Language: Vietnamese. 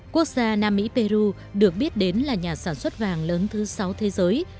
quốc gia nam mỹ được biết là nhà sản xuất vàng lớn thứ sáu thế giới